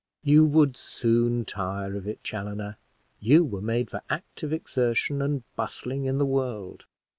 "You would soon tire of it, Chaloner; you were made for active exertion and bustling in the world."